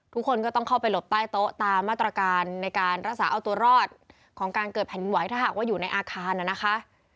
ทุกคนก็ต้องเข้าไปหลบใต้โต๊ะตามมาตรการในการรักษาเอาตัวรอดของการเกิดแผ่นดินไหวถ้าหากว่าอยู่ในอาคารน่ะนะคะ